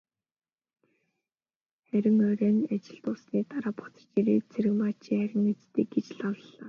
Харин орой ажил дууссаны дараа буцаж ирээд, "Цэрэгмаа чи харина биз дээ" гэж лавлалаа.